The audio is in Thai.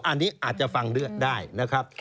อันนี้อาจจะฟังได้นะครับ